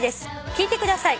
「聞いてください。